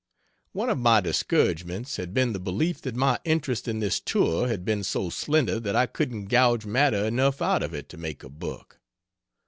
One of my discouragements had been the belief that my interest in this tour had been so slender that I couldn't gouge matter enough out of it to make a book.